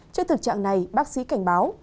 trên thực trạng này bác sĩ cảnh báo